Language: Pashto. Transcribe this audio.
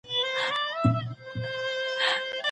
که موږ ډېر اتڼ وړاندي کړو، خلګ به خوښ سي.